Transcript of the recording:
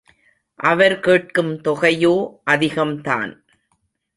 அவர் கேட்கும் தொகையோ அதிகம்தான்.